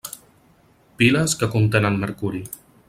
Piles que contenen mercuri.